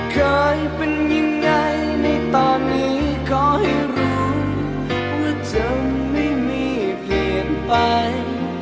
เคยเป็นยังไงในตอนนี้ขอให้รู้ว่าเธอไม่มีเปลี่ยนไป